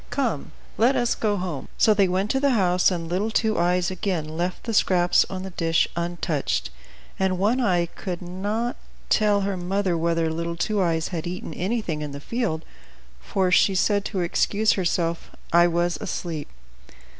Come, let us go home!" So they went to the house, and little Two Eyes again left the scraps on the dish untouched, and One Eye could not tell her mother whether little Two Eyes had eaten anything in the field; for she said to excuse herself, "I was asleep."